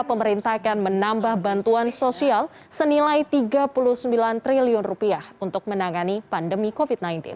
pemerintah akan menambah bantuan sosial senilai rp tiga puluh sembilan triliun untuk menangani pandemi covid sembilan belas